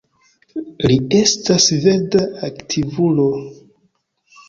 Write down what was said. Li estas verda aktivulo.